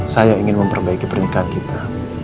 saya ingin memperbaiki pernikahan kita